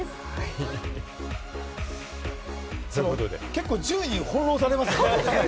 結構、順位に翻弄されますね。